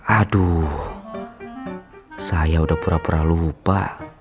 aduh saya udah pura pura lupa